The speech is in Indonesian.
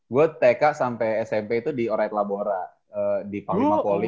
gue tk sampai smp itu di oret labora di panglima poli